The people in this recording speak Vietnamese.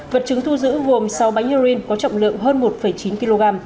vật chứng thu giữ gồm sáu bánh heroin có trọng lượng hơn một chín kg